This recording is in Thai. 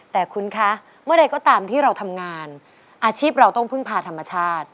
แต่คุณคะเมื่อใดก็ตามที่เราทำงานอาชีพเราต้องพึ่งพาธรรมชาติ